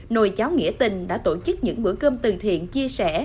nồi cháo nghĩa tình đã tổ chức những bữa cơm từ thiện chia sẻ